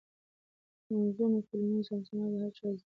د منظومو کلمو زمزمه یې د هر چا زړه وړه.